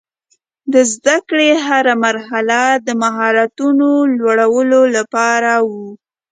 د زده کړې هره مرحله د مهارتونو لوړولو لپاره وه.